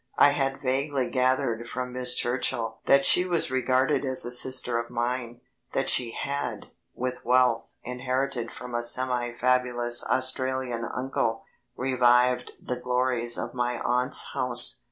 I had vaguely gathered from Miss Churchill that she was regarded as a sister of mine, that she had, with wealth inherited from a semi fabulous Australian uncle, revived the glories of my aunt's house.